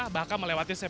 bahkan melewati sepeda